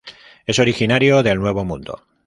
Es originario del Nuevo Mundo.